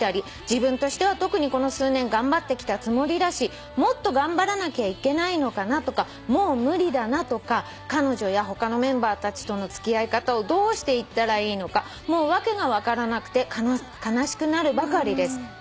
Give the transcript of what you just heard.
「自分としては特にこの数年頑張ってきたつもりだしもっと頑張らなきゃいけないのかなとかもう無理だなとか彼女や他のメンバーたちとの付き合い方をどうしていったらいいのかもう訳が分からなくて悲しくなるばかりです」